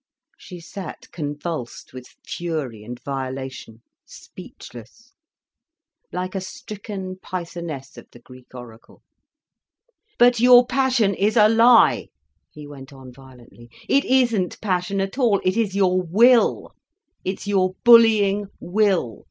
She sat convulsed with fury and violation, speechless, like a stricken pythoness of the Greek oracle. "But your passion is a lie," he went on violently. "It isn't passion at all, it is your will. It's your bullying will.